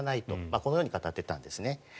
このように語っていたんですね。